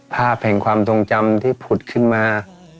ภาพแห่งความทรงจำที่ผุดขึ้นมา